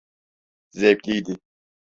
Zevkliydi.